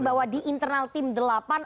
bahwa di internal tim delapan